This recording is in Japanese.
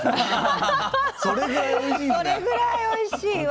それぐらいおいしいんだ。